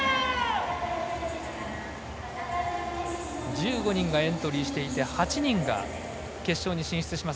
１５人がエントリーしていて８人が決勝に進みます。